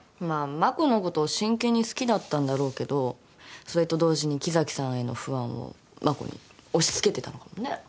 まあ真子のことを真剣に好きだったんだろうけどそれと同時に木崎さんへの不安を真子に押し付けてたのかもね。